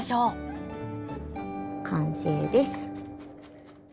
完成です。